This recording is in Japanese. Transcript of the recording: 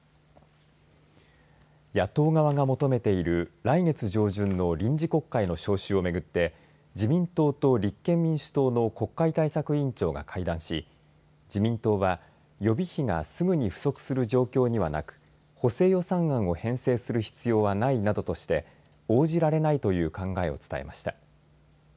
野党側が求めている来月上旬の臨時国会の召集をめぐって自民党と立憲民主党の国会対策委員長が会談し自民党は予備費がすぐに不足する状況にはなく補正予算を編成する必要はないなどとして応じられないという考えを伝えました。